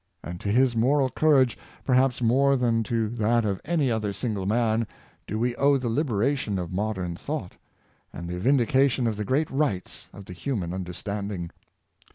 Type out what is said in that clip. And to his moral courage, perhaps more than to that of any other single man, do w^e owe the liberation of modern thought, and the vindication of the great rights of the human understanding.